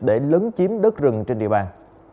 để lấn chiếm đất rừng trên địa bàn